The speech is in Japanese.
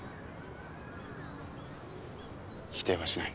否定はしない。